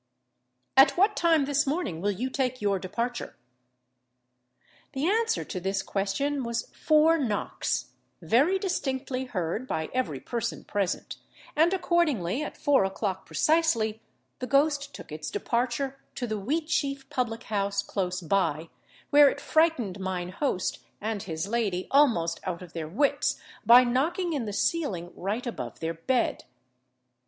] "At what time this morning will you take your departure?" The answer to this question was four knocks, very distinctly heard by every person present; and accordingly, at four o'clock precisely the ghost took its departure to the Wheatsheaf public house close by, where it frightened mine host and his lady almost out of their wits, by knocking in the ceiling right above their bed.